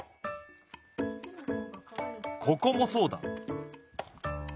ここもそうだ！